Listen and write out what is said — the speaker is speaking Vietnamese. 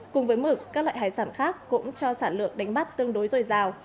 cùng với mực các loại hải sản khác cũng cho sản lượng đánh bắt tương đối dồi dào